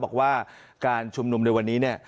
บอกว่าการชุมนุมในวันนี้เนี่ย